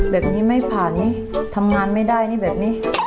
แบบนี้ไม่ผ่านนี่ทำงานไม่ได้นี่แบบนี้